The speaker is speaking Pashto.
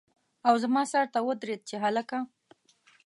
او زما سر ته ودرېد چې هلکه!